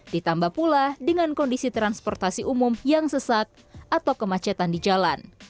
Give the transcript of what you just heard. ditambah pula dengan kondisi transportasi umum yang sesat atau kemacetan di jalan